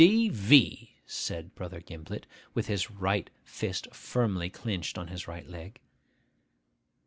'D.V.!' said Brother Gimblet, with his right fist firmly clinched on his right leg.